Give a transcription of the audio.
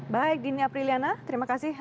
baik dini apriliana terima kasih